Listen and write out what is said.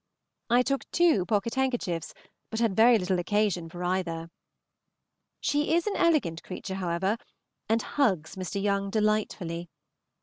I took two pocket handkerchiefs, but had very little occasion for either. She is an elegant creature, however, and hugs Mr. Young delightfully.